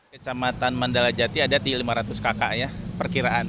kecamatan mandala jati ada di lima ratus kakak ya perkiraan